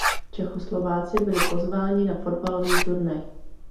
Čechoslováci byli pozváni na fotbalový turnaj.